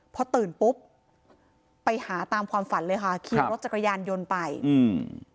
พอตื่นปุ๊บไปหาตามความฝันเลยค่ะขี่รถจักรยานยนต์ไปอืม